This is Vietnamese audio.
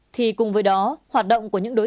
thì cùng với đó hoạt động của những đối tượng